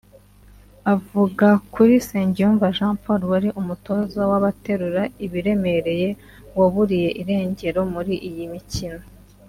Avuga kuri Nsengiyumva Jean Paul wari Umutoza w’Abaterura Ibiremereye waburiwe irengero muri iyi mikino